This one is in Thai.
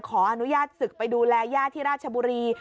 ขออนุญาตศึกไปดูแลย่าที่ราชบุรี